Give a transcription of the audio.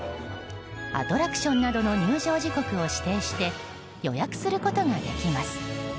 アトラクションなどの入場時刻を指定して予約することができます。